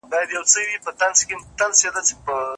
له اوره تش خُم د مُغان دی نن خُمار کرلی